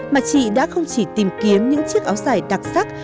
mà chị đã không chỉ tìm kiếm những chiếc áo dài đặc sắc